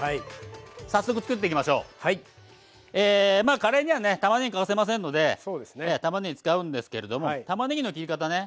カレーにはねたまねぎ欠かせませんのでたまねぎ使うんですけれどもたまねぎの切り方ね。